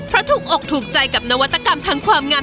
เพราะถูกอกถูกใจกับนวัตกรรมทางความงาม